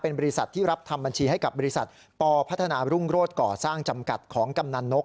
บริษัทที่รับทำบัญชีให้กับบริษัทปพัฒนารุ่งโรศก่อสร้างจำกัดของกำนันนก